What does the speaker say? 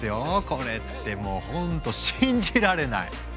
これってもうほんと信じられない！